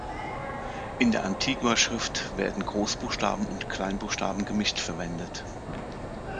In der Antiqua-Schrift werden Großbuchstaben und Kleinbuchstaben gemischt verwendet.